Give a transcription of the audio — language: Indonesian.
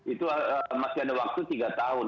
itu masih ada waktu tiga tahun